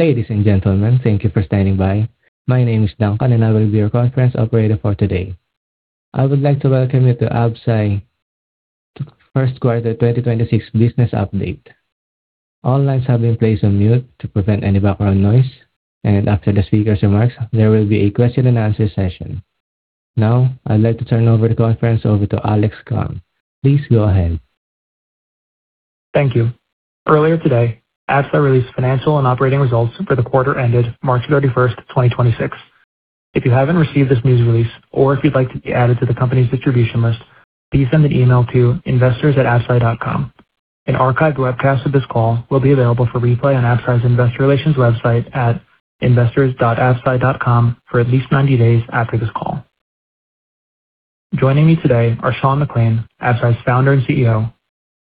Ladies and gentlemen, thank you for standing by. My name is Duncan, and I will be your conference operator for today. I would like to welcome you to Absci First Quarter 2026 Business Update. All lines have been placed on mute to prevent any background noise, and after the speaker's remarks, there will be a question and answer session. Now I'd like to turn over the conference over to Alex Khan. Please go ahead. Thank you. Earlier today, Absci released financial and operating results for the quarter ended 31st March 2026. If you haven't received this news release or if you'd like to be added to the company's distribution list, please send an email to investors@absci.com. An archived webcast of this call will be available for replay on Absci's investor relations website at investors.absci.com for at least 90 days after this call. Joining me today are Sean McClain, Absci's Founder and CEO,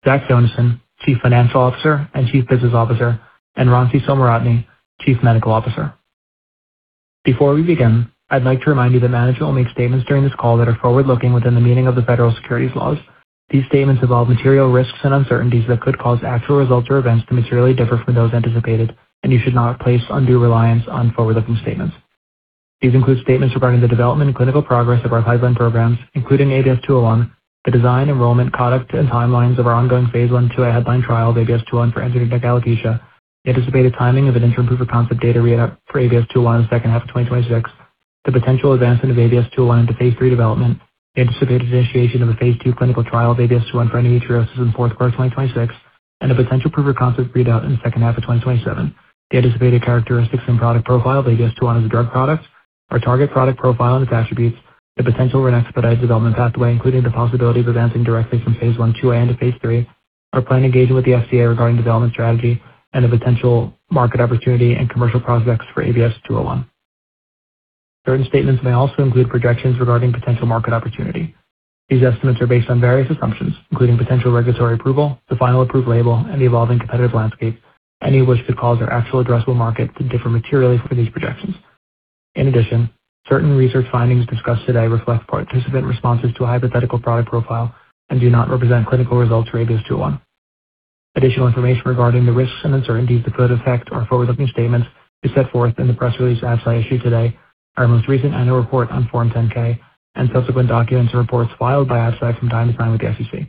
Zach Jonasson, Chief Financial Officer and Chief Business Officer, and Ransi Somaratne, Chief Medical Officer. Before we begin, I'd like to remind you that management will make statements during this call that are forward-looking within the meaning of the federal securities laws. These statements involve material risks and uncertainties that could cause actual results or events to materially differ from those anticipated, and you should not place undue reliance on forward-looking statements. These include statements regarding the development and clinical progress of our pipeline programs, including ABS-201, the design, enrollment, conduct, and timelines of our ongoing phase I/IIa trial of ABS-201 for androgenetic alopecia. The anticipated timing of an interim proof of concept data readout for ABS-201 in second half of 2026. The potential advancement of ABS-201 into phase III development. The anticipated initiation of a phase II clinical trial of ABS-201 for endometriosis in the fourth quarter of 2026, and a potential proof-of-concept readout in the second half of 2027. The anticipated characteristics and product profile of ABS-201 as a drug product. Our target product profile and its attributes. The potential for an expedited development pathway, including the possibility of advancing directly from phase I-IIA into phase III. Our plan to engage with the FDA regarding development strategy and the potential market opportunity and commercial prospects for ABS-201. Certain statements may also include projections regarding potential market opportunity. These estimates are based on various assumptions, including potential regulatory approval, the final approved label, and the evolving competitive landscape, any of which could cause our actual addressable market to differ materially from these projections. In addition, certain research findings discussed today reflect participant responses to a hypothetical product profile and do not represent clinical results for ABS-201. Additional information regarding the risks and uncertainties that could affect our forward-looking statements is set forth in the press release Absci issued today, our most recent annual report on Form 10-K, and subsequent documents and reports filed by Absci from time to time with the SEC.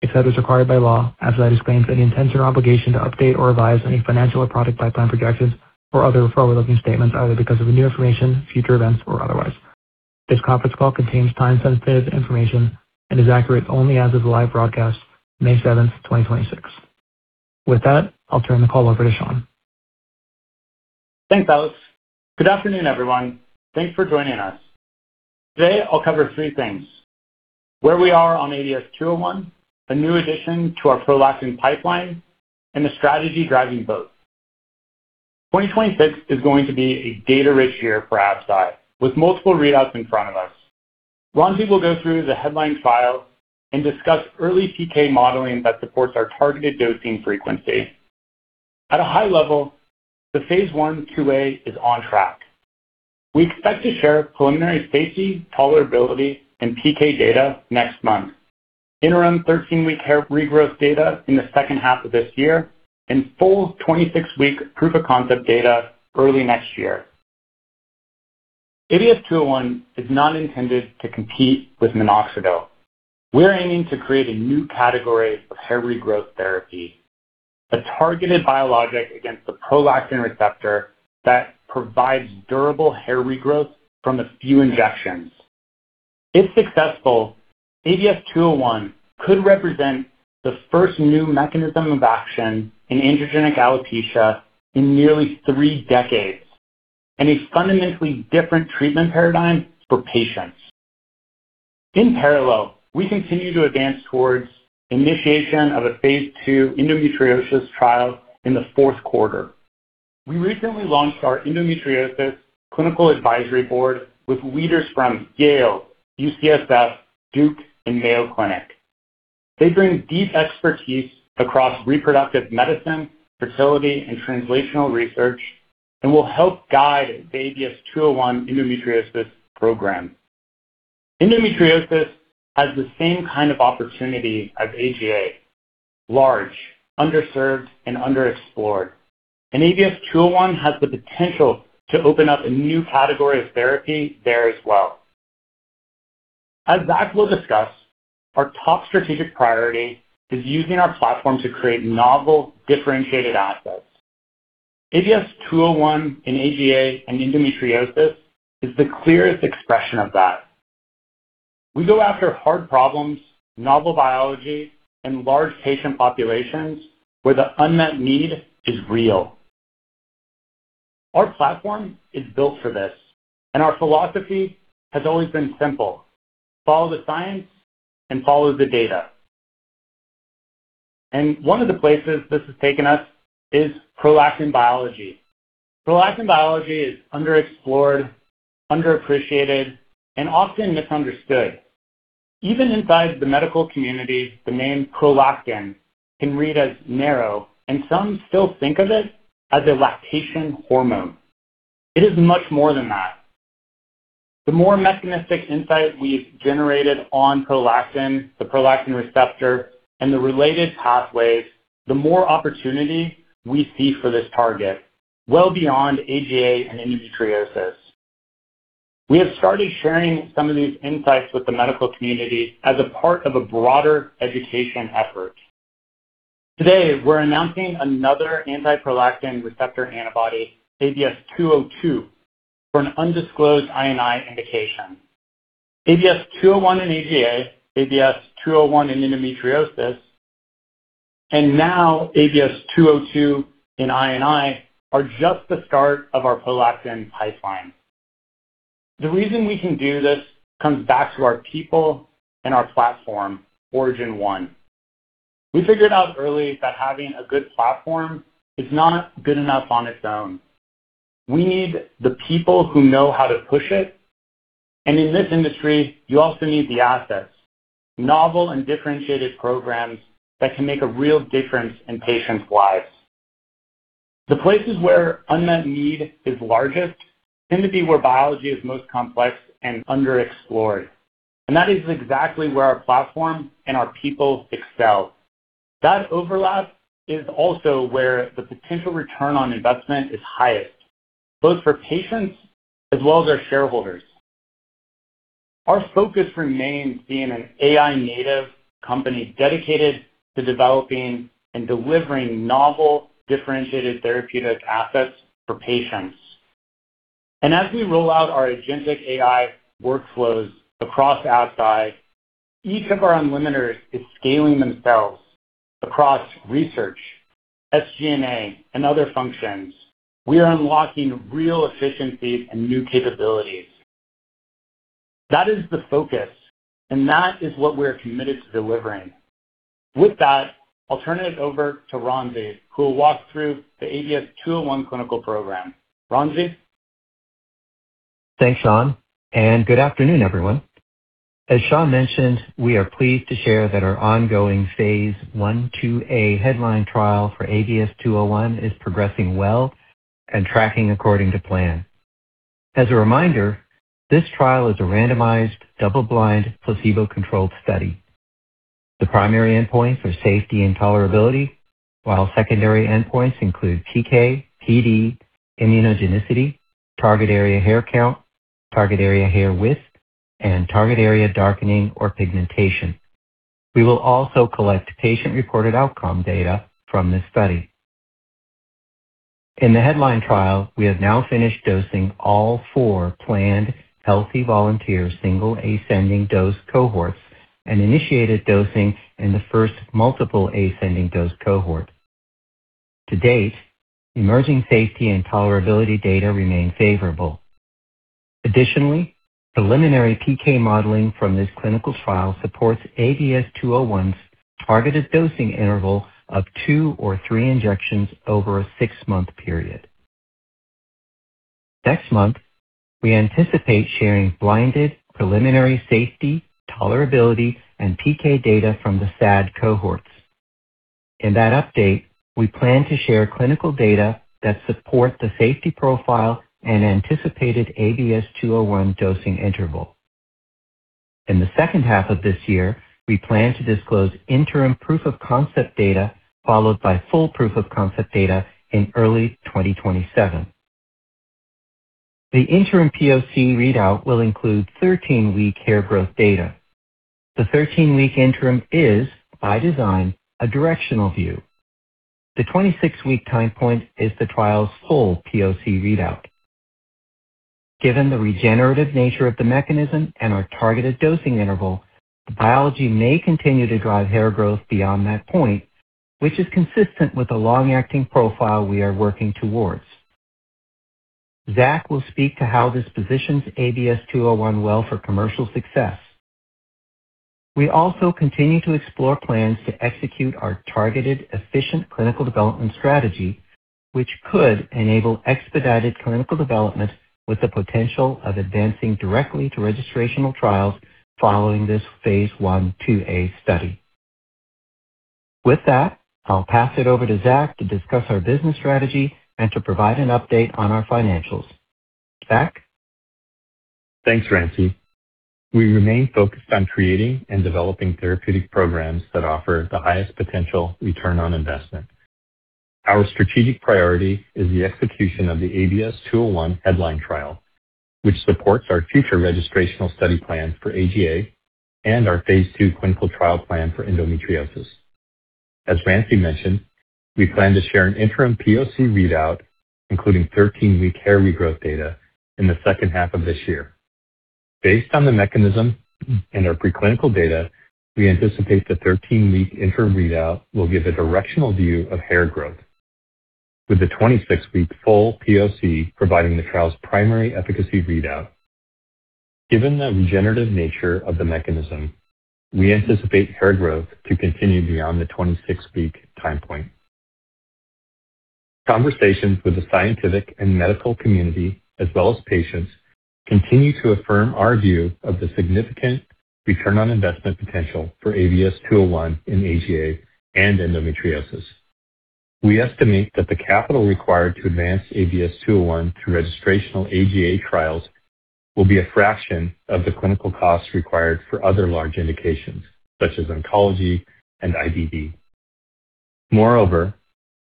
Except as required by law, Absci disclaims any intention or obligation to update or revise any financial or product pipeline projections or other forward-looking statements, either because of new information, future events, or otherwise. This conference call contains time-sensitive information and is accurate only as of the live broadcast, 7th May 2026. With that, I'll turn the call over to Sean. Thanks, Alex. Good afternoon, everyone. Thanks for joining us. Today, I'll cover three things. Where we are on ABS-201, a new addition to our prolactin pipeline, and the strategy driving both. 2026 is going to be a data-rich year for Absci, with multiple readouts in front of us. Ransi will go through the headline files and discuss early PK modeling that supports our targeted dosing frequency. At a high level, the phase I/IIa is on track. We expect to share preliminary safety, tolerability, and PK data next month. Interim 13-week hair regrowth data in the second half of this year and full 26-week proof-of-concept data early next year. ABS-201 is not intended to compete with minoxidil. We're aiming to create a new category of hair regrowth therapy, a targeted biologic against the prolactin receptor that provides durable hair regrowth from a few injections. If successful, ABS-201 could represent the first new mechanism of action in androgenetic alopecia in nearly three decades and a fundamentally different treatment paradigm for patients. In parallel, we continue to advance towards initiation of a phase II endometriosis trial in the fourth quarter. We recently launched our endometriosis clinical advisory board with leaders from Yale, UCSF, Duke, and Mayo Clinic. They bring deep expertise across reproductive medicine, fertility, and translational research and will help guide the ABS-201 endometriosis program. Endometriosis has the same kind of opportunity as AGA, large, underserved, and underexplored. ABS-201 has the potential to open up a new category of therapy there as well. As Zach will discuss, our top strategic priority is using our platform to create novel, differentiated assets. ABS-201 in AGA and endometriosis is the clearest expression of that. We go after hard problems, novel biology, and large patient populations where the unmet need is real. Our platform is built for this, our philosophy has always been simple: follow the science and follow the data. One of the places this has taken us is prolactin biology. Prolactin biology is underexplored, underappreciated, and often misunderstood. Even inside the medical community, the name prolactin can read as narrow, and some still think of it as a lactation hormone. It is much more than that. The more mechanistic insight we've generated on prolactin, the prolactin receptor, and the related pathways, the more opportunity we see for this target, well beyond AGA and endometriosis. We have started sharing some of these insights with the medical community as a part of a broader education effort. Today, we're announcing another anti-prolactin receptor antibody, ABS-202, for an undisclosed I&I indication. ABS-201 in AGA, ABS-201 in endometriosis, and now ABS-202 in I&I are just the start of our prolactin pipeline. The reason we can do this comes back to our people and our platform, OriginOne. We figured out early that having a good platform is not good enough on its own. We need the people who know how to push it. In this industry, you also need the assets, novel and differentiated programs that can make a real difference in patients' lives. The places where unmet need is largest tend to be where biology is most complex and underexplored, and that is exactly where our platform and our people excel. That overlap is also where the potential return on investment is highest, both for patients as well as our shareholders. Our focus remains being an AI-native company dedicated to developing and delivering novel, differentiated therapeutic assets for patients. As we roll out our agentic AI workflows across Absci, each of our Unlimiters is scaling themselves across research, SG&A, and other functions. We are unlocking real efficiencies and new capabilities. That is the focus, and that is what we are committed to delivering. With that, I'll turn it over to Ransi, who will walk through the ABS-201 clinical program. Ransi? Thanks, Sean, and good afternoon, everyone. As Sean mentioned, we are pleased to share that our ongoing phase I/IIa headline trial for ABS-201 is progressing well and tracking according to plan. As a reminder, this trial is a randomized, double-blind, placebo-controlled study. The primary endpoint for safety and tolerability, while secondary endpoints include PK, PD, immunogenicity, target area hair count, target area hair width, and target area darkening or pigmentation. We will also collect patient-reported outcome data from this study. In the headline trial, we have now finished dosing all four planned healthy volunteer single ascending dose cohorts and initiated dosing in the first multiple ascending dose cohort. To date, emerging safety and tolerability data remain favorable. Additionally, preliminary PK modeling from this clinical trial supports ABS-201's targeted dosing interval of two or three injections over a six-month period. Next month, we anticipate sharing blinded preliminary safety, tolerability, and PK data from the SAD cohorts. In that update, we plan to share clinical data that support the safety profile and anticipated ABS-201 dosing interval. In the second half of this year, we plan to disclose interim proof-of-concept data, followed by full proof-of-concept data in early 2027. The interim POC readout will include 13-week hair growth data. The 13-week interim is, by design, a directional view. The 26-week time point is the trial's full POC readout. Given the regenerative nature of the mechanism and our targeted dosing interval, the biology may continue to drive hair growth beyond that point, which is consistent with the long-acting profile we are working towards. Zach will speak to how this positions ABS-201 well for commercial success. We also continue to explore plans to execute our targeted efficient clinical development strategy, which could enable expedited clinical development with the potential of advancing directly to registrational trials following this phase I/IIa study. With that, I'll pass it over to Zach to discuss our business strategy and to provide an update on our financials. Zach? Thanks, Ransi. We remain focused on creating and developing therapeutic programs that offer the highest potential return on investment. Our strategic priority is the execution of the ABS-201 headline trial, which supports our future registrational study plan for AGA and our phase II clinical trial plan for endometriosis. As Ransi mentioned, we plan to share an interim POC readout, including 13-week hair regrowth data, in the second half of this year. Based on the mechanism and our preclinical data, we anticipate the 13-week interim readout will give a directional view of hair growth, with the 26-week full POC providing the trial's primary efficacy readout. Given the regenerative nature of the mechanism, we anticipate hair growth to continue beyond the 26-week time point. Conversations with the scientific and medical community, as well as patients, continue to affirm our view of the significant ROI potential for ABS-201 in AGA and endometriosis. We estimate that the capital required to advance ABS-201 through registrational AGA trials will be a fraction of the clinical costs required for other large indications such as oncology and IBD. Moreover,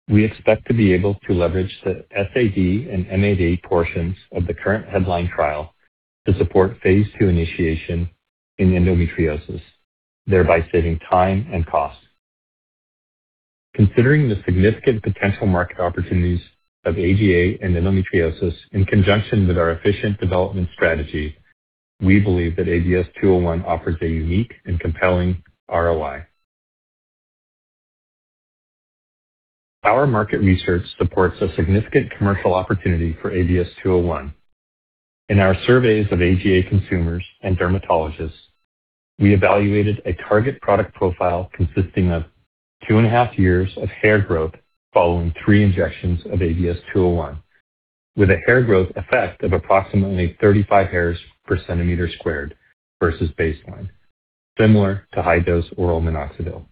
we expect to be able to leverage the SAD and MAD portions of the current headline trial to support phase II initiation in endometriosis, thereby saving time and cost. Considering the significant potential market opportunities of AGA and endometriosis in conjunction with our efficient development strategy, we believe that ABS-201 offers a unique and compelling ROI. Our market research supports a significant commercial opportunity for ABS-201. In our surveys of AGA consumers and dermatologists, we evaluated a target product profile consisting of 2.5 years of hair growth following three injections of ABS-201, with a hair growth effect of approximately 35 hairs per centimeter squared versus baseline, similar to high-dose oral minoxidil.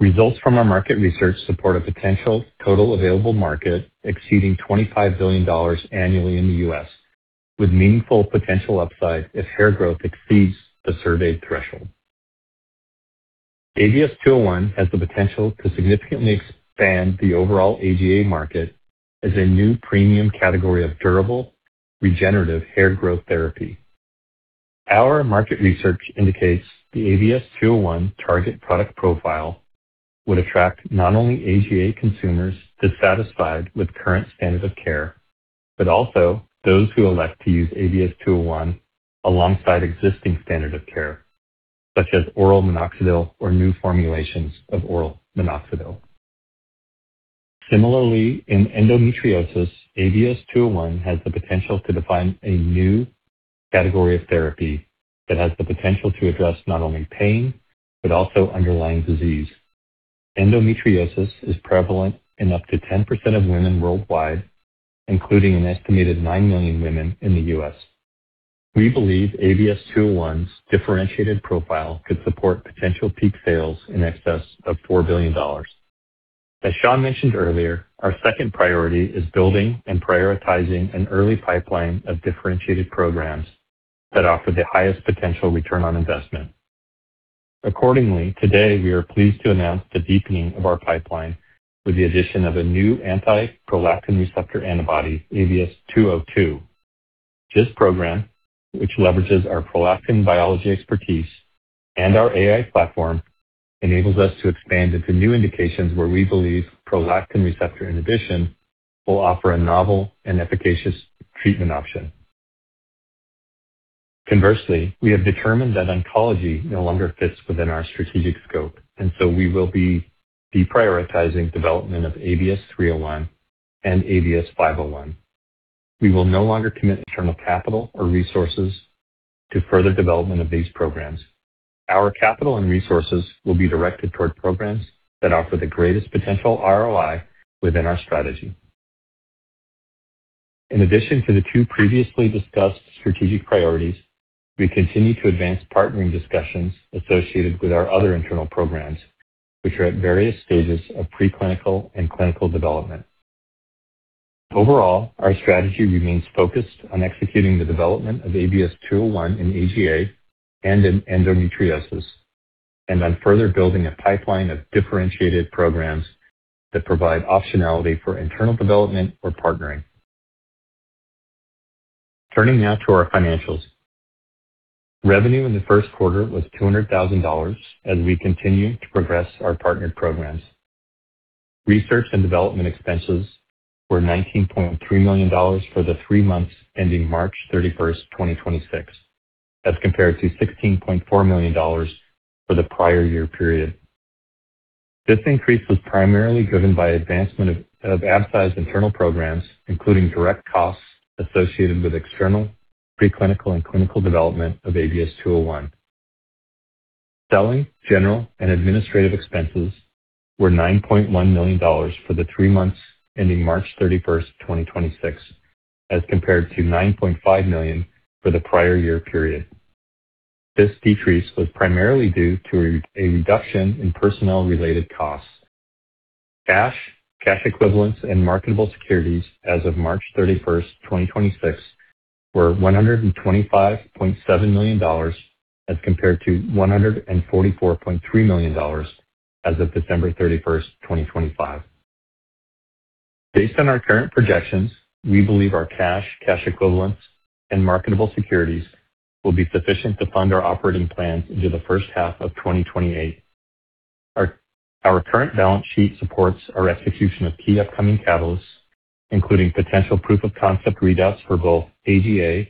Results from our market research support a potential total available market exceeding $25 billion annually in the U.S., with meaningful potential upside if hair growth exceeds the surveyed threshold. ABS-201 has the potential to significantly expand the overall AGA market as a new premium category of durable regenerative hair growth therapy. Our market research indicates the ABS-201 target product profile would attract not only AGA consumers dissatisfied with current standards of care, but also those who elect to use ABS-201 alongside existing standard of care such as oral minoxidil or new formulations of oral minoxidil. Similarly, in endometriosis, ABS-201 has the potential to define a new category of therapy that has the potential to address not only pain, but also underlying disease. Endometriosis is prevalent in up to 10% of women worldwide, including an estimated 9 million women in the U.S. We believe ABS-201's differentiated profile could support potential peak sales in excess of $4 billion. As Sean mentioned earlier, our second priority is building and prioritizing an early pipeline of differentiated programs that offer the highest potential return on investment. Accordingly, today, we are pleased to announce the deepening of our pipeline with the addition of a new anti-prolactin receptor antibody, ABS-202. This program, which leverages our prolactin biology expertise and our AI platform, enables us to expand into new indications where we believe prolactin receptor inhibition will offer a novel and efficacious treatment option. Conversely, we have determined that oncology no longer fits within our strategic scope, and so we will be deprioritizing development of ABS-301 and ABS-501. We will no longer commit internal capital or resources to further development of these programs. Our capital and resources will be directed toward programs that offer the greatest potential ROI within our strategy. In addition to the two previously discussed strategic priorities, we continue to advance partnering discussions associated with our other internal programs, which are at various stages of preclinical and clinical development. Overall, our strategy remains focused on executing the development of ABS-201 in AGA and in endometriosis, and on further building a pipeline of differentiated programs that provide optionality for internal development or partnering. Turning now to our financials. Revenue in the first quarter was $200,000 as we continue to progress our partnered programs. Research and development expenses were $19.3 million for the three months ending 31st March 2026, as compared to $16.4 million for the prior year period. This increase was primarily driven by advancement of Absci's internal programs, including direct costs associated with external preclinical and clinical development of ABS-201. Selling, General, and Administrative expenses were $9.1 million for the three months ending 31st March 2026, as compared to $9.5 million for the prior year period. This decrease was primarily due to a reduction in personnel-related costs. Cash, cash equivalents, and marketable securities as of 31st March 2026, were $125.7 million as compared to $144.3 million as of 31st December 2025. Based on our current projections, we believe our cash equivalents, and marketable securities will be sufficient to fund our operating plans into the first half of 2028. Our current balance sheet supports our execution of key upcoming catalysts, including potential proof-of-concept readouts for both AGA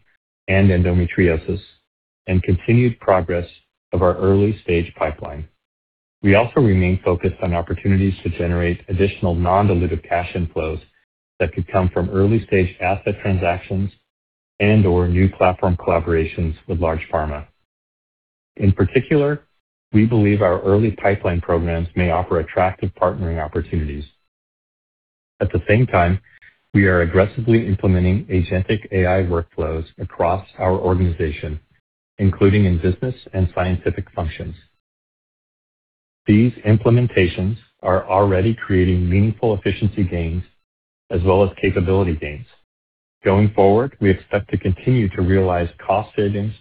and endometriosis, and continued progress of our early-stage pipeline. We also remain focused on opportunities to generate additional non-dilutive cash inflows that could come from early-stage asset transactions and/or new platform collaborations with large pharma. In particular, we believe our early pipeline programs may offer attractive partnering opportunities. At the same time, we are aggressively implementing agentic AI workflows across our organization, including in business and scientific functions. These implementations are already creating meaningful efficiency gains as well as capability gains. Going forward, we expect to continue to realize cost savings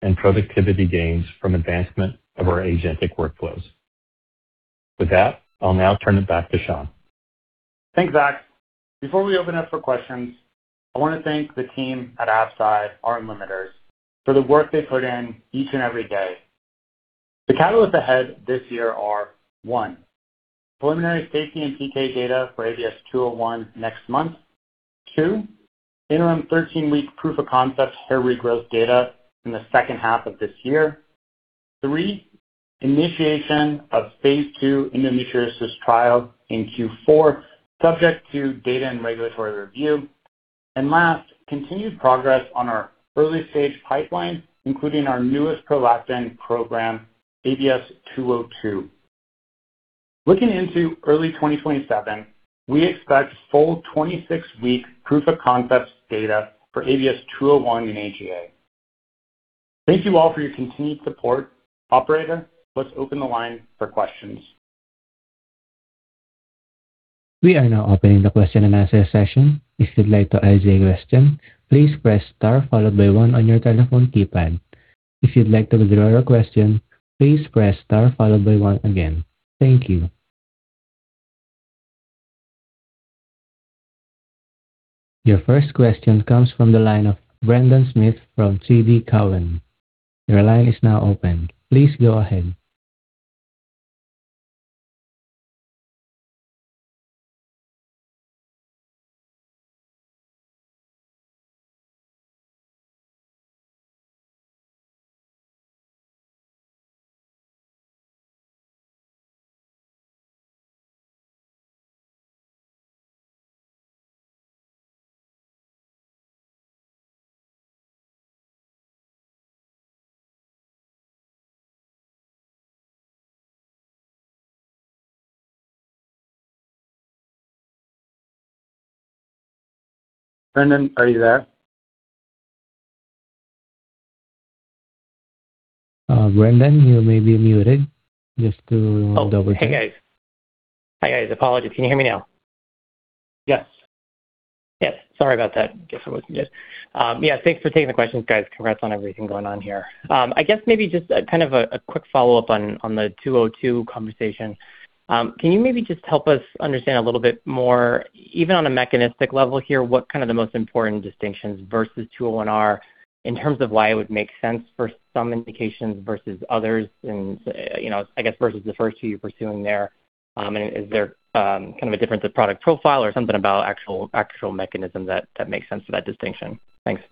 and productivity gains from advancement of our agentic workflows. With that, I'll now turn it back to Sean. Thanks, Zach. Before we open up for questions, I want to thank the team at Absci, our Unlimiters, for the work they put in each and every day. The catalysts ahead this year are: one, preliminary safety and PK data for ABS-201 next month. two, interim 13-week proof-of-concept hair regrowth data in the second half of this year. three, initiation of phase II endometriosis trial in Q4, subject to data and regulatory review. Last, continued progress on our early-stage pipeline, including our newest prolactin program, ABS-202. Looking into early 2027, we expect full 26-week proof-of-concept data for ABS-201 in AGA. Thank you all for your continued support. Operator, let's open the line for questions. Thank you. Your first question comes from the line of Brendan Smith from TD Cowen. Your line is now open. Please go ahead. Brendan, are you there? Brendan, you may be muted. Just to double-check. Hey, guys. Hi, guys. Apologies. Can you hear me now? Yes. Yes. Sorry about that. Guess I wasn't good. Yeah, thanks for taking the questions, guys. Congrats on everything going on here. I guess maybe just a kind of a quick follow-up on the ABS-202 conversation. Can you maybe just help us understand a little bit more, even on a mechanistic level here, what kind of the most important distinctions versus ABS-201 are in terms of why it would make sense for some indications versus others and, you know, I guess versus the first two you're pursuing there? And is there kind of a difference of product profile or something about actual mechanism that makes sense for that distinction? Thanks.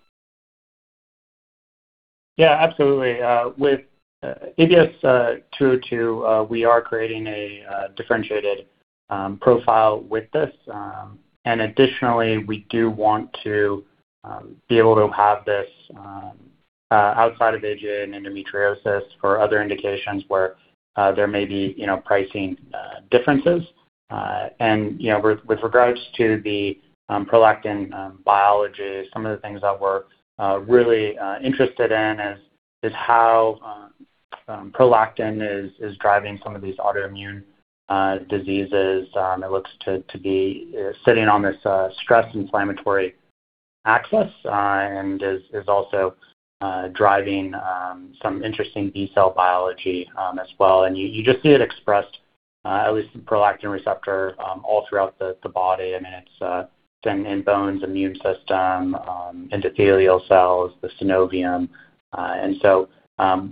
Yeah, absolutely. With ABS-202, we are creating a differentiated profile with this. Additionally, we do want to be able to have this outside of AGA and endometriosis for other indications where there may be, you know, pricing differences. You know, with regards to the prolactin biology, some of the things that we're really interested in is how prolactin is driving some of these autoimmune diseases. It looks to be sitting on this stress inflammatory axis and is also driving some interesting B cell biology as well. You just see it expressed at least in prolactin receptor all throughout the body. I mean, it's sitting in bones, immune system, endothelial cells, the synovium. So,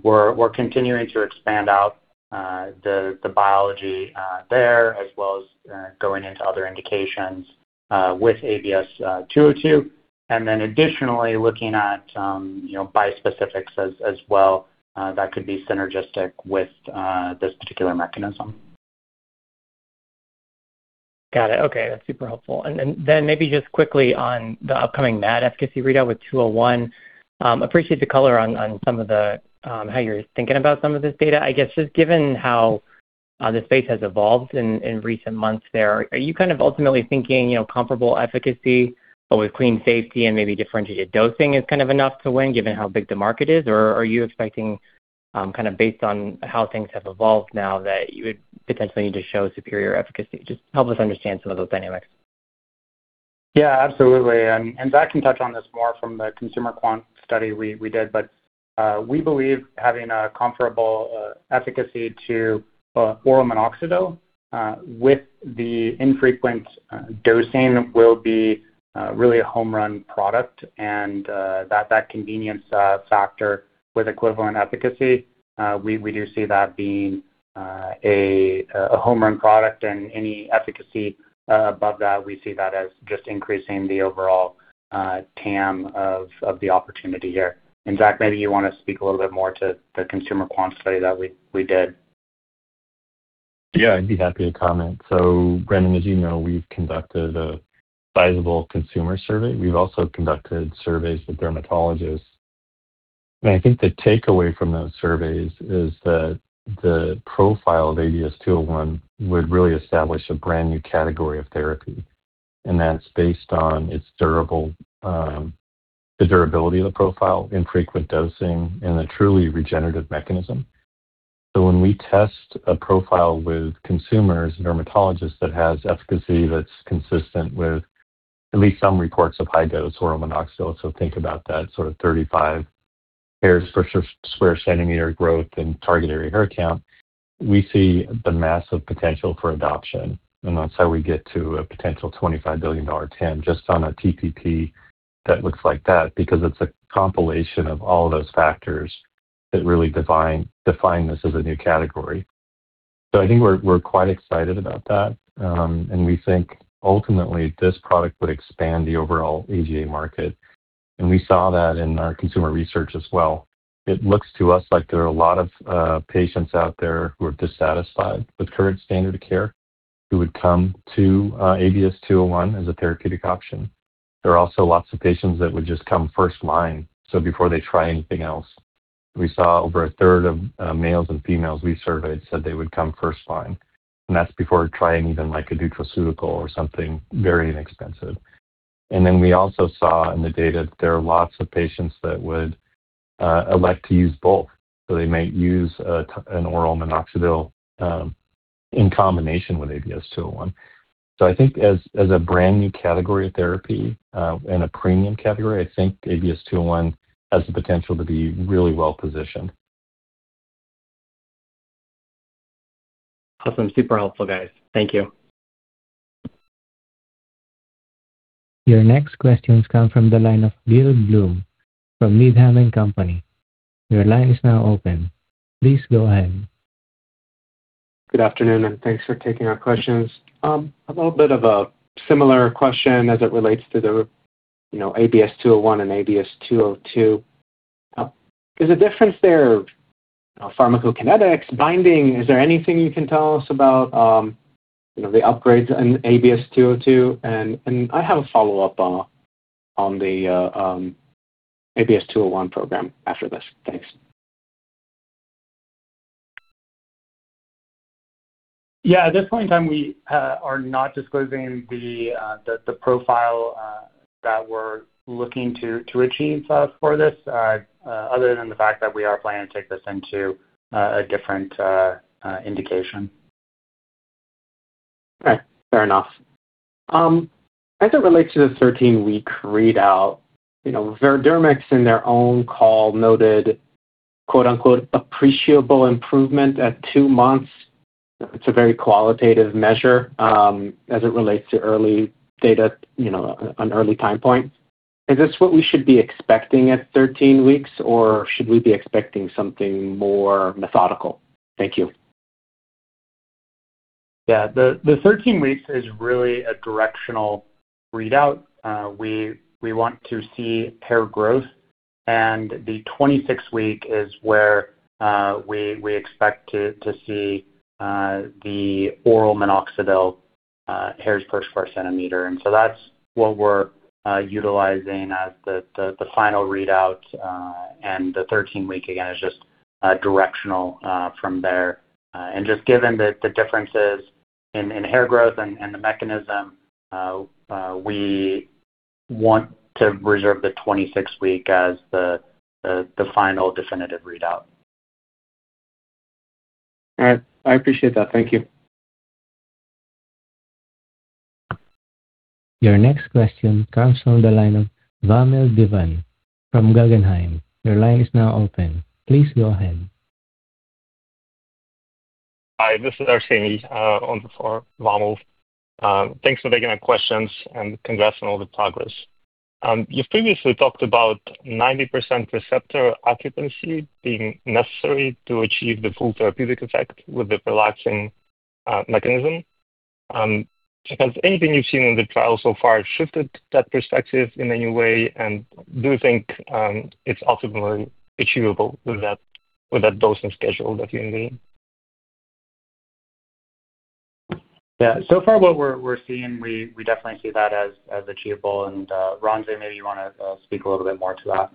we're continuing to expand out the biology there, as well as going into other indications with ABS-202. Additionally, looking at, you know, bispecifics as well, that could be synergistic with this particular mechanism. Got it. Okay. That's super helpful. Then maybe just quickly on the upcoming MAD efficacy readout with ABS-201. Appreciate the color on some of the how you're thinking about some of this data. I guess just given how the space has evolved in recent months there, are you kind of ultimately thinking, you know, comparable efficacy but with clean safety and maybe differentiated dosing is kind of enough to win given how big the market is? Are you expecting, kind of based on how things have evolved now that you would potentially need to show superior efficacy? Just help us understand some of those dynamics. Yeah, absolutely. Zach can touch on this more from the consumer quant study we did. We believe having a comparable efficacy to oral minoxidil with the infrequent dosing will be really a home run product. That convenience factor with equivalent efficacy, we do see that being a home run product. Any efficacy above that, we see that as just increasing the overall TAM of the opportunity here. Zach, maybe you want to speak a little bit more to the consumer quant study that we did. I'd be happy to comment. Brendan, as you know, we've conducted a sizable consumer survey. We've also conducted surveys with dermatologists. I think the takeaway from those surveys is that the profile of ABS-201 would really establish a brand new category of therapy. That's based on its durable, the durability of the profile, infrequent dosing, and the truly regenerative mechanism. When we test a profile with consumers, dermatologists that has efficacy that's consistent with at least some reports of high-dose oral minoxidil, think about that sort of 35 hairs per sq cm growth in target area hair count, we see the massive potential for adoption. That's how we get to a potential $25 billion TAM just on a TPP that looks like that, because it's a compilation of all those factors that really define this as a new category. I think we're quite excited about that. We think ultimately this product would expand the overall AGA market, and we saw that in our consumer research as well. It looks to us like there are a lot of patients out there who are dissatisfied with current standard of care who would come to ABS-201 as a therapeutic option. There are also lots of patients that would just come first line, so before they try anything else. We saw over a third of males and females we surveyed said they would come first line, and that's before trying even like a nutraceutical or something very inexpensive. We also saw in the data there are lots of patients that would elect to use both. They might use an oral minoxidil in combination with ABS-201. I think as a brand new category of therapy, and a premium category, I think ABS-201 has the potential to be really well-positioned. Awesome. Super helpful, guys. Thank you. Your next questions come from the line of Gil Blum from Needham & Company. Your line is now open. Please go ahead. Good afternoon, and thanks for taking our questions. A little bit of a similar question as it relates to the, you know, ABS-201 and ABS-202. Is the difference there, pharmacokinetics, binding? Is there anything you can tell us about, you know, the upgrades in ABS-202? I have a follow-up on the ABS-201 program after this. Thanks. At this point in time, we are not disclosing the profile that we're looking to achieve for this, other than the fact that we are planning to take this into a different indication. Okay. Fair enough. As it relates to the 13-week readout, you know, Verderax in their own call noted, quote unquote, "appreciable improvement at two months." It's a very qualitative measure, as it relates to early data, you know, an early time point. Is this what we should be expecting at 13 weeks, or should we be expecting something more methodical? Thank you. The 13 weeks is really a directional readout. We want to see hair growth, and the 26 week is where we expect to see the oral minoxidil hairs per square centimeter. That's what we're utilizing as the final readout. The 13-week again is just directional from there. Given the differences in hair growth and the mechanism, we want to reserve the 26 week as the final definitive readout. All right. I appreciate that. Thank you. Your next question comes from the line of Vamil Divan from Guggenheim. Hi, this is Arseniy on for Vamil. Thanks for taking our questions and congrats on all the progress. You've previously talked about 90% receptor occupancy being necessary to achieve the full therapeutic effect with the prolactin mechanism. Do you think it's ultimately achievable with that dosing schedule that you need? Yeah. So far what we're seeing, we definitely see that as achievable. Ransi, maybe you wanna speak a little bit more to that.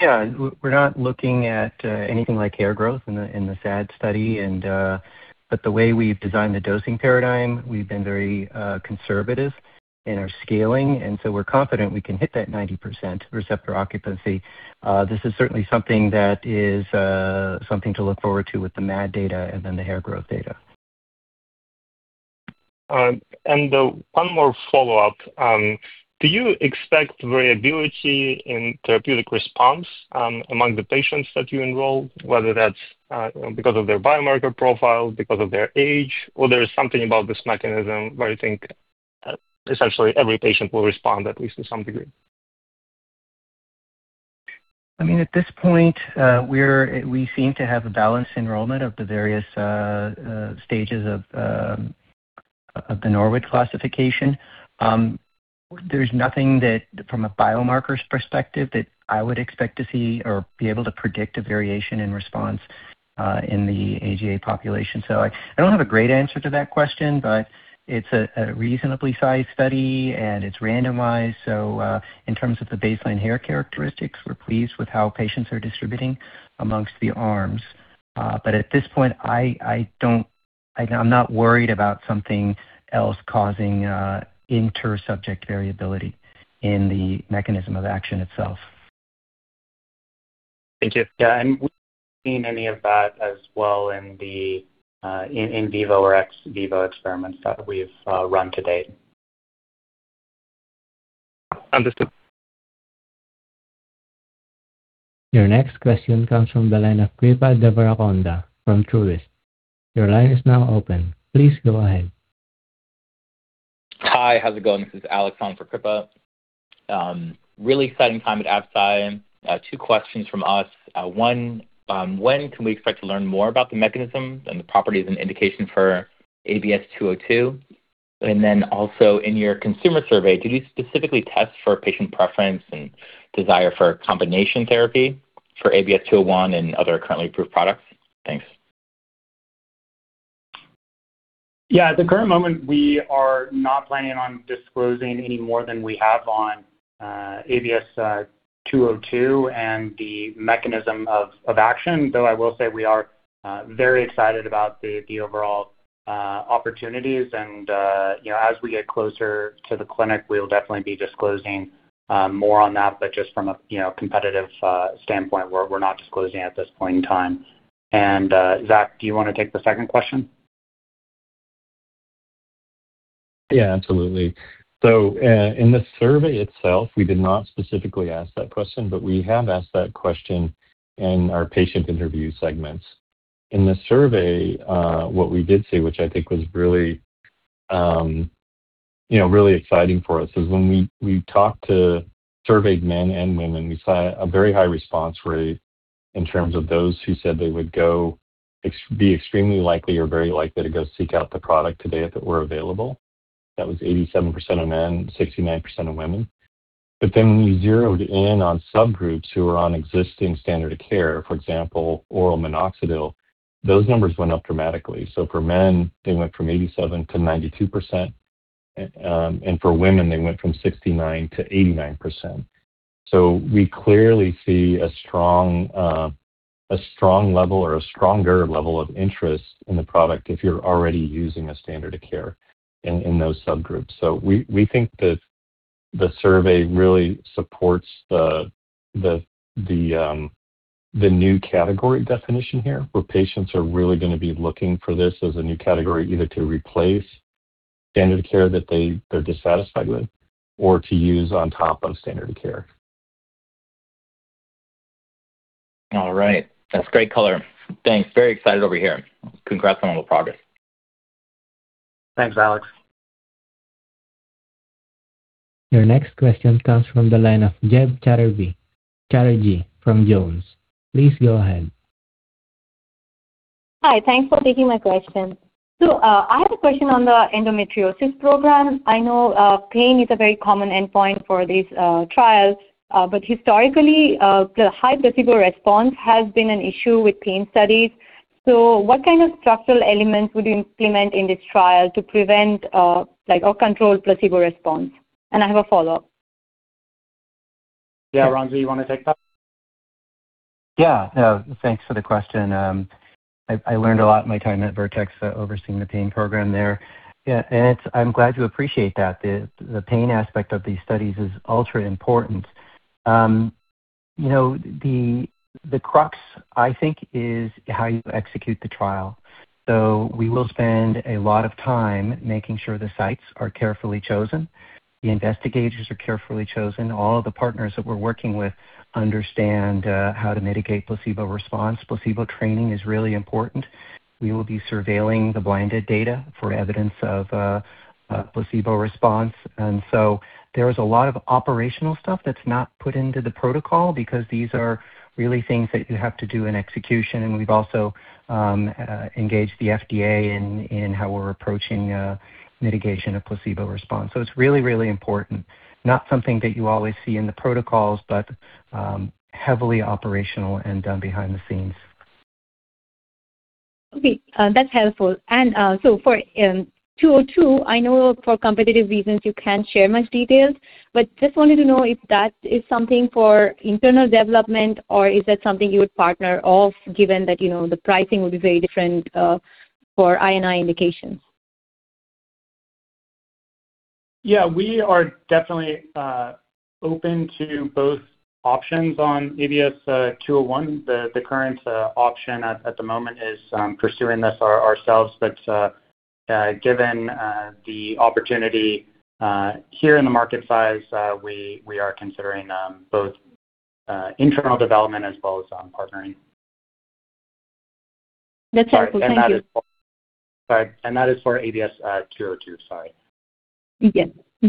Yeah. We're not looking at anything like hair growth in the SAD study. The way we've designed the dosing paradigm, we've been very conservative in our scaling, we're confident we can hit that 90% receptor occupancy. This is certainly something that is something to look forward to with the MAD data the hair growth data. One more follow-up. Do you expect variability in therapeutic response, among the patients that you enroll, whether that's because of their biomarker profile, because of their age, or there is something about this mechanism where you think, essentially every patient will respond at least to some degree? I mean, at this point, we seem to have a balanced enrollment of the various stages of the Norwood classification. There's nothing that from a biomarkers perspective that I would expect to see or be able to predict a variation in response in the AGA population. I don't have a great answer to that question, but it's a reasonably sized study, and it's randomized. In terms of the baseline hair characteristics, we're pleased with how patients are distributing amongst the arms. At this point, I'm not worried about something else causing inter-subject variability in the mechanism of action itself. Thank you. Yeah, we've seen any of that as well in the in vivo or ex vivo experiments that we've run to date. Understood. Your next question comes from the line of Kripa Devarakonda from Truist. Your line is now open. Please go ahead. Hi, how's it going? This is Alex on for Kripa. Really exciting time at Absci. Two questions from us. When can we expect to learn more about the mechanism and the properties and indication for ABS-202? Also in your consumer survey, did you specifically test for patient preference and desire for combination therapy for ABS-201 and other currently approved products? Thanks. Yeah, at the current moment, we are not planning on disclosing any more than we have on ABS-202 and the mechanism of action. Though I will say we are very excited about the overall opportunities and, you know, as we get closer to the clinic, we'll definitely be disclosing more on that, but just from a, you know, competitive standpoint, we're not disclosing at this point in time. Zach, do you wanna take the second question? Yeah, absolutely. In the survey itself, we did not specifically ask that question, but we have asked that question in our patient interview segments. In the survey, what we did see, which I think was really, you know, really exciting for us, is when we talked to surveyed men and women, we saw a very high response rate in terms of those who said they would be extremely likely or very likely to go seek out the product today if it were available. That was 87% of men, 69% of women. When we zeroed in on subgroups who are on existing standard of care, for example, oral minoxidil, those numbers went up dramatically. For men, they went from 87% to 92%, and for women, they went from 69% to 89%. We clearly see a strong level or a stronger level of interest in the product if you're already using a standard of care in those subgroups. We think that the survey really supports the new category definition here, where patients are really gonna be looking for this as a new category, either to replace standard of care that they're dissatisfied with or to use on top of standard of care. All right. That's great color. Thanks. Very excited over here. Congrats on all the progress. Thanks, Alex. Your next question comes from the line of Debanjana Chatterjee from Jones. Please go ahead. Hi. Thanks for taking my question. I have a question on the endometriosis program. I know pain is a very common endpoint for these trials. Historically, the high placebo response has been an issue with pain studies. What kind of structural elements would you implement in this trial to prevent, like, or control placebo response? I have a follow-up. Yeah, Ransi, you wanna take that? Yeah, no, thanks for the question. I learned a lot in my time at Vertex overseeing the pain program there. Yeah, I'm glad you appreciate that. The pain aspect of these studies is ultra important. You know, the crux, I think, is how you execute the trial. We will spend a lot of time making sure the sites are carefully chosen, the investigators are carefully chosen, all the partners that we're working with understand how to mitigate placebo response. Placebo training is really important. We will be surveilling the blinded data for evidence of placebo response. There is a lot of operational stuff that's not put into the protocol because these are really things that you have to do in execution, and we've also engaged the FDA in how we're approaching mitigation of placebo response. It's really, really important, not something that you always see in the protocols, but heavily operational and done behind the scenes. Okay, that's helpful. For 202, I know for competitive reasons you can't share much details, but just wanted to know if that is something for internal development or is that something you would partner off, given that, you know, the pricing would be very different for I&I indications. Yeah, we are definitely open to both options on ABS-201. The current option at the moment is pursuing this ourselves. Given the opportunity here in the market size, we are considering both internal development as well as partnering. That's helpful. Thank you. Sorry, and that is for ABS-202. Sorry. You did. Mm-hmm.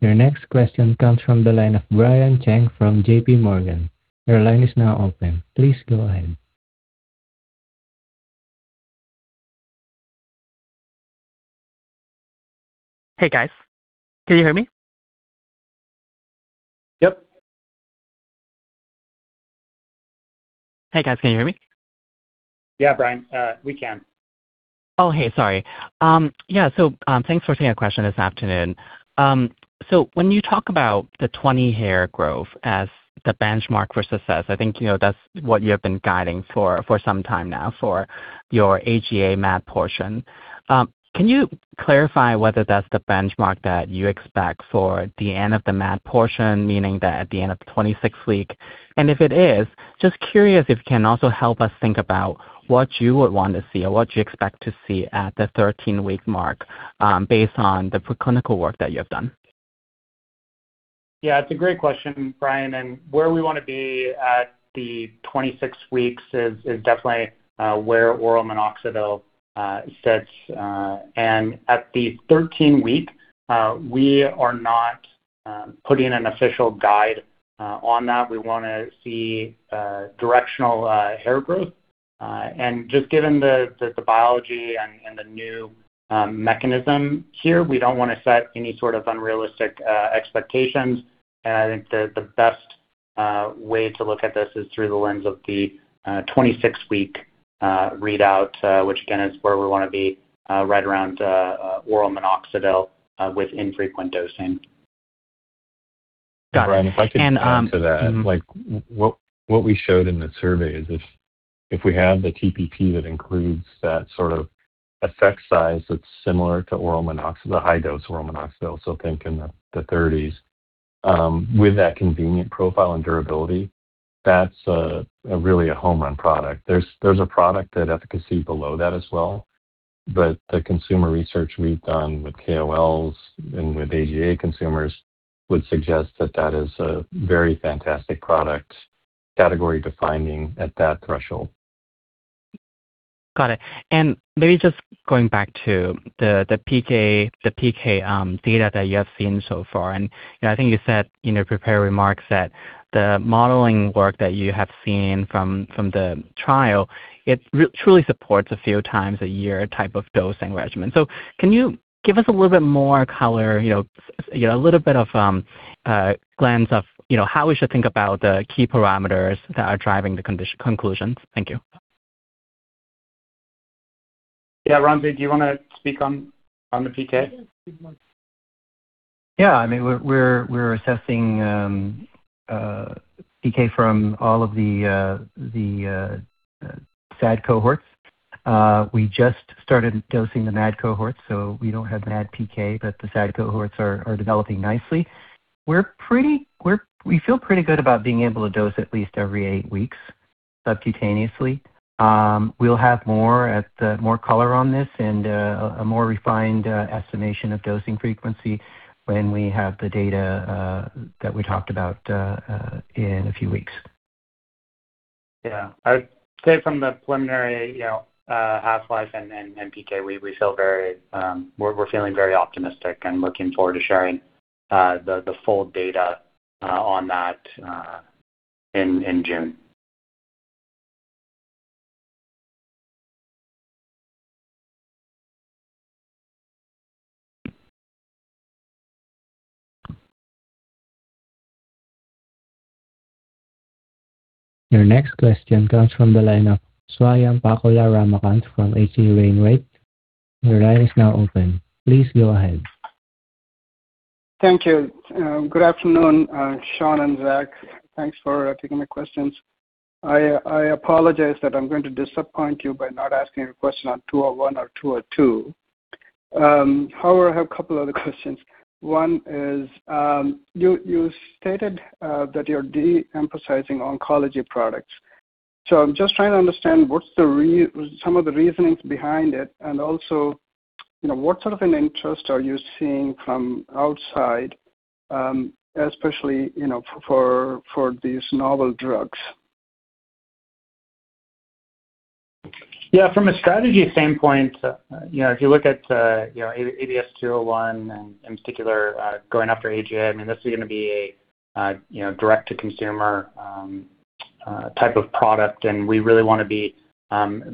Your next question comes from the line of Brian Cheng from J.P. Morgan. Your line is now open. Please go ahead. Hey, guys. Can you hear me? Yep. Hey, guys. Can you hear me? Yeah, Brian, we can. Oh, hey, sorry. Thanks for taking our question this afternoon. When you talk about the 20 hair growth as the benchmark for success, I think, you know, that's what you have been guiding for some time now for your AGA MAD portion. Can you clarify whether that's the benchmark that you expect for the end of the MAD portion, meaning the end of the 26-week? If it is, just curious if you can also help us think about what you would want to see or what you expect to see at the 13-week mark, based on the preclinical work that you have done. Yeah, it's a great question, Brian, where we wanna be at the 26 weeks is definitely where oral minoxidil sits. At the 13-week, we are not putting an official guide on that. We wanna see directional hair growth. Just given the biology and the new mechanism here, we don't wanna set any sort of unrealistic expectations. I think the best way to look at this is through the lens of the 26-week readout, which again is where we wanna be right around oral minoxidil with infrequent dosing. Got it. Brian, if I could add to that. What we showed in the survey is if we have the TPP that includes that sort of effect size that's similar to the high-dose oral minoxidil, so think in the 30s, with that convenient profile and durability, that's a really a home run product. There's a product at efficacy below that as well, but the consumer research we've done with KOLs and with AGA consumers would suggest that that is a very fantastic product, category defining at that threshold. Got it. Maybe just going back to the PK data that you have seen so far, you know, I think you said in your prepared remarks that the modeling work that you have seen from the trial, it truly supports a few times a year type of dosing regimen. Can you give us a little bit more color, you know, you know, a little bit of glance of, you know, how we should think about the key parameters that are driving the conclusions? Thank you. Yeah, Ransi, do you wanna speak on the PK? Yeah. I mean, we're assessing PK from all of the SAD cohorts. We just started dosing the MAD cohorts, so we don't have MAD PK, but the SAD cohorts are developing nicely. We feel pretty good about being able to dose at least every 8 weeks subcutaneously. We'll have more color on this and a more refined estimation of dosing frequency when we have the data that we talked about in a few weeks. Yeah. I would say from the preliminary, you know, half-life and PK, we feel very, we're feeling very optimistic and looking forward to sharing the full data on that in June. Your next question comes from the line of Swayampakula Ramakanth from H.C. Wainwright & Co. Your line is now open. Please go ahead. Thank you. Good afternoon, Sean and Zach. Thanks for taking my questions. I apologize that I'm going to disappoint you by not asking a question on ABS-201 or ABS-202. However, I have a couple other questions. One is, you stated that you're de-emphasizing oncology products. I'm just trying to understand what's some of the reasonings behind it and also, you know, what sort of an interest are you seeing from outside, especially, you know, for these novel drugs? Yeah. From a strategy standpoint, you know, if you look at, you know, ABS-201 in particular, going after AGA, I mean, this is gonna be a, you know, direct to consumer type of product. We really wanna be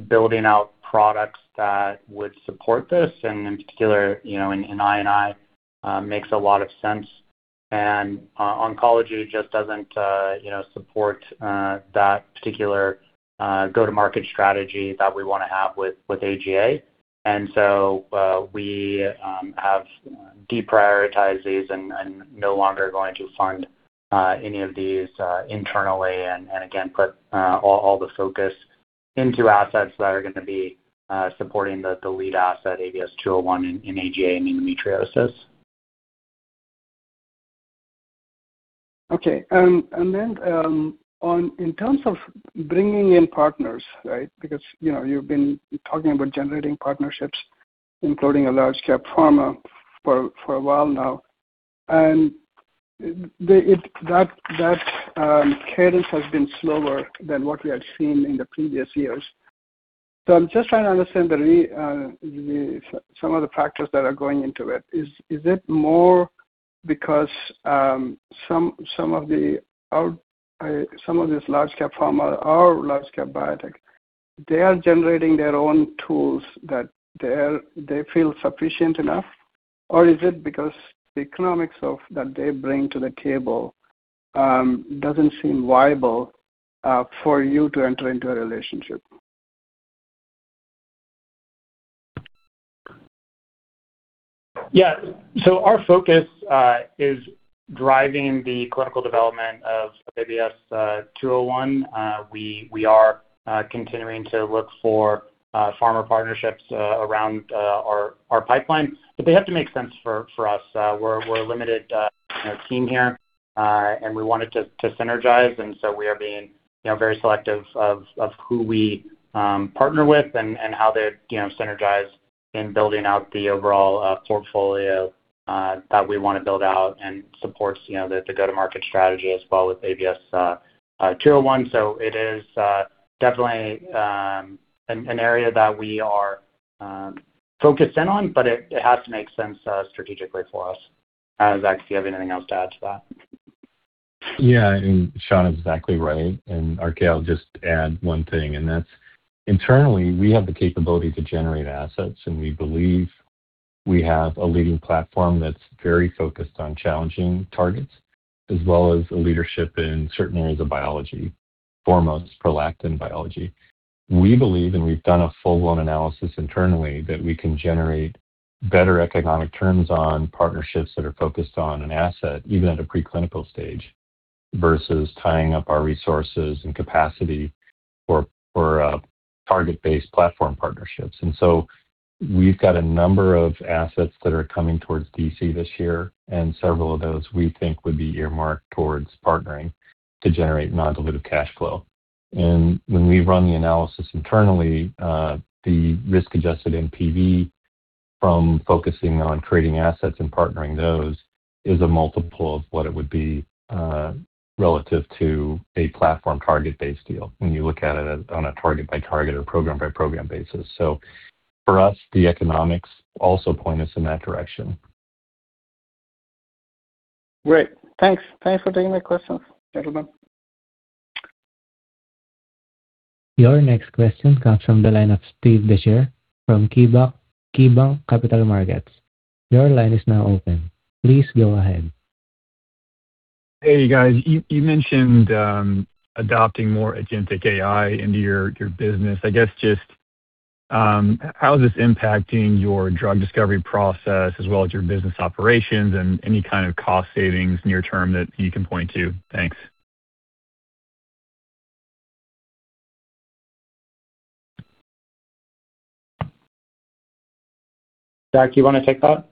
building out products that would support this, and in particular, you know, in I&I, makes a lot of sense. Oncology just doesn't, you know, support that particular go-to-market strategy that we wanna have with AGA. So, we have deprioritized these and no longer going to fund any of these internally and again, put all the focus into assets that are gonna be supporting the lead asset, ABS-201 in AGA and in endometriosis. Okay. In terms of bringing in partners, right? Because, you know, you've been talking about generating partnerships, including a large cap pharma for a while now, and that cadence has been slower than what we had seen in the previous years. I'm just trying to understand the some of the factors that are going into it. Is it more because some of these large cap pharma or large cap biotech, they are generating their own tools that they feel sufficient enough? Is it because the economics of that they bring to the table? Doesn't seem viable, for you to enter into a relationship. So our focus is driving the clinical development of ABS-201. We are continuing to look for pharma partnerships around our pipeline, but they have to make sense for us. We're a limited, you know, team here, and we wanted to synergize, so we are being, you know, very selective of who we partner with and how they, you know, synergize in building out the overall portfolio that we wanna build out and supports, you know, the go-to-market strategy as well with ABS-201. It is definitely an area that we are focused in on, but it has to make sense strategically for us. Zach, do you have anything else to add to that? Yeah. I mean, Sean is exactly right. RK, I'll just add one thing, and that's internally, we have the capability to generate assets, and we believe we have a leading platform that's very focused on challenging targets, as well as a leadership in certain areas of biology, foremost prolactin biology. We believe, we've done a full-blown analysis internally, that we can generate better economic terms on partnerships that are focused on an asset, even at a preclinical stage, versus tying up our resources and capacity for target-based platform partnerships. We've got a number of assets that are coming towards DC this year, and several of those we think would be earmarked towards partnering to generate non-dilutive cash flow. When we run the analysis internally, the risk-adjusted NPV from focusing on creating assets and partnering those is a multiple of what it would be relative to a platform target-based deal when you look at it on a target-by-target or program-by-program basis. For us, the economics also point us in that direction. Great. Thanks. Thanks for taking my questions, gentlemen. Your next question comes from the line of Steve Dechert from KeyBanc Capital Markets. Your line is now open. Please go ahead. Hey, guys. You mentioned adopting more agentic AI into your business. I guess just how is this impacting your drug discovery process as well as your business operations and any kind of cost savings near term that you can point to? Thanks. Zach, you wanna take that?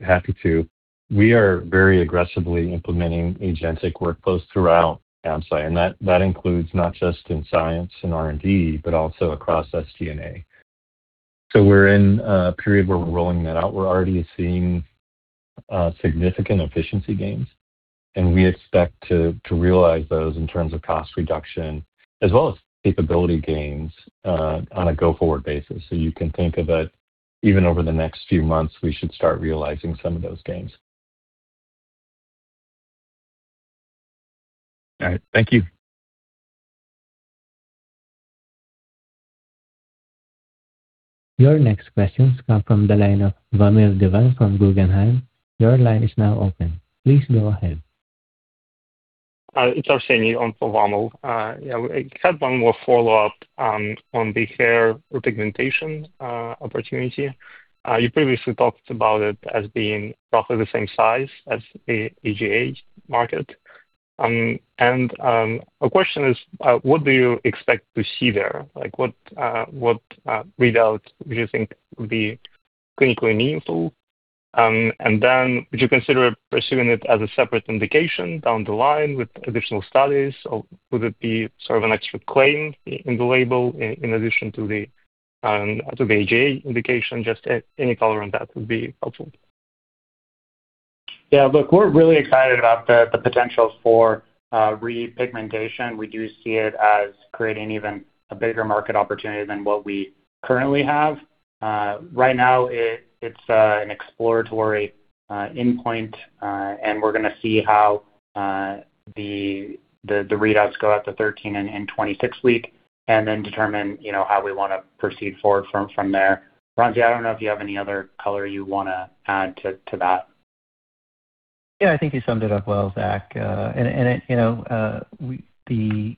Happy to. We are very aggressively implementing agentic workflows throughout Absci, and that includes not just in science and R&D, but also across SG&A. We're in a period where we're rolling that out. We're already seeing significant efficiency gains, and we expect to realize those in terms of cost reduction as well as capability gains on a go-forward basis. You can think of it even over the next few months, we should start realizing some of those gains. All right. Thank you. Your next question comes from the line of Vamil Divan from Guggenheim. It's Arseniy on for Vamil. I had one more follow-up on the hair repigmentation opportunity. My question is, what do you expect to see there? What readout do you think would be clinically meaningful? Would you consider pursuing it as a separate indication down the line with additional studies or would it be sort of an extra claim in the label in addition to the AGA indication? Just any color on that would be helpful. Yeah. Look, we're really excited about the potentials for repigmentation. We do see it as creating even a bigger market opportunity than what we currently have. Right now it's an exploratory endpoint, and we're gonna see how the readouts go at the 13 and 26 week and then determine, you know, how we wanna proceed forward from there. Ransi, I don't know if you have any other color you wanna add to that. Yeah. I think you summed it up well, Zach. The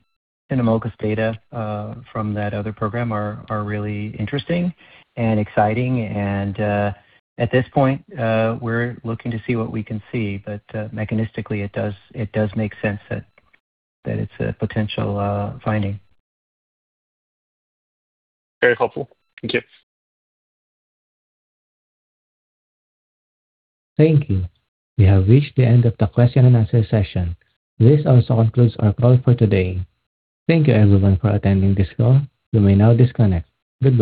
cinacalcet data from that other program are really interesting and exciting and at this point, we're looking to see what we can see. Mechanistically it does make sense that it's a potential finding. Very helpful. Thank you. Thank you. We have reached the end of the question and answer session. This also concludes our call for today. Thank you everyone for attending this call. You may now disconnect. Goodbye.